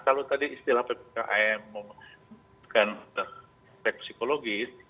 kalau tadi istilah ppkm bukan tersek psikologis